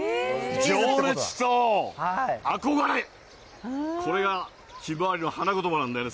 情熱と憧れ、これがひまわりの花言葉なんだよね。